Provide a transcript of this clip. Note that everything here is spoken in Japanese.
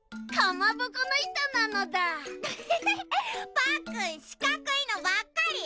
パックンしかくいのばっかり！